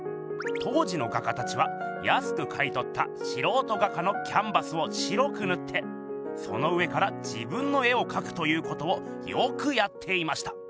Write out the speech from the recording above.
当時の画家たちはやすく買いとったしろうと画家のキャンバスを白くぬってその上から自分の絵をかくということをよくやっていました。